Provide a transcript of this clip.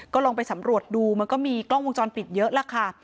ก็ลองไปสำรวจดูมันก็มีกล้องวงจรปิดเยอะล่ะค่ะ